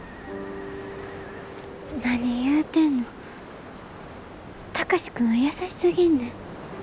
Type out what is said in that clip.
何言うてんの貴司君は優しすぎんねん。